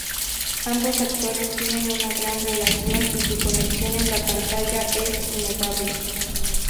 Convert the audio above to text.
Ambos actores tienen una gran relación y su conexión en la pantalla es innegable.